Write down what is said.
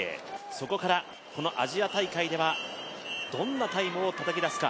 そこからこのアジア大会ではどんなタイムをたたき出すか。